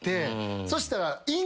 そしたら。